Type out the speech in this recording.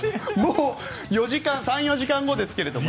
３４時間後ですけどね。